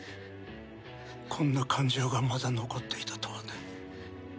こんな感情がまだ残っていたとはね。